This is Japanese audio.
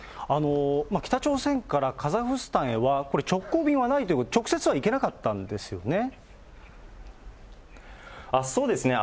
北朝鮮からカザフスタンへは、直行便はないということ、そうですね。